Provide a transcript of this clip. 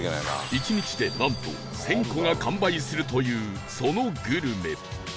１日でなんと１０００個が完売するというそのグルメ